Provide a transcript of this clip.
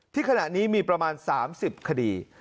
ขณะนี้มีประมาณ๓๐คดี